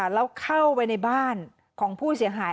แล้วเข้าไปในบ้านของผู้เสียหาย